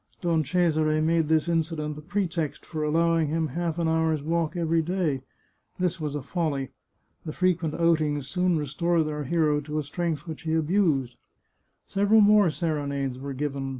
Don Cesare made this incident a pretext for allowing him half an hour's walk every day. This was a folly. The frequent outings soon restored our hero to a strength which he abused. Several more serenades were given.